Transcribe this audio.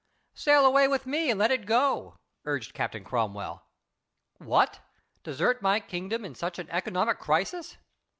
"Sail away with me, and let it go," urged Captain Cromwell. "What! desert my kingdom in such a economic crisis!